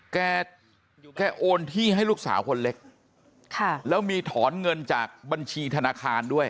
แกแกโอนที่ให้ลูกสาวคนเล็กค่ะแล้วมีถอนเงินจากบัญชีธนาคารด้วย